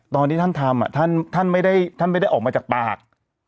ตอนที่ท่านทำท่านไม่ได้ออกมาจากปาก